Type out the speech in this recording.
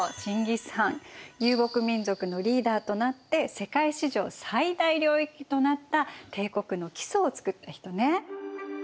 遊牧民族のリーダーとなって世界史上最大領域となった帝国の基礎をつくった人ね。